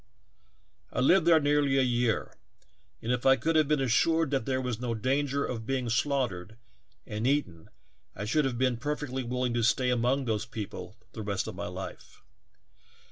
"I lived there nearly a year, and if I could have been assured that there was no danger of being slaughtered and eaten I should have been perfectly willing to stay among those people the rest of my life.